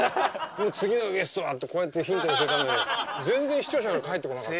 「次のゲストは」ってこうやってヒントにしてたのに全然視聴者から返ってこなかった。